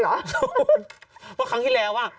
เพราะครั้งที่แล้วอ่ะ